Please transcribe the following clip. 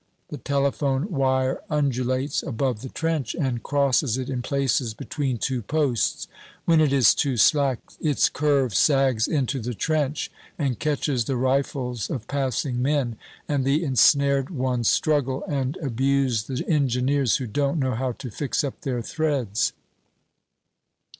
The telephone wire undulates above the trench, and crosses it in places between two posts. When it is too slack, its curve sags into the trench and catches the rifles of passing men, and the ensnared ones struggle, and abuse the engineers who don't know how to fix up their threads.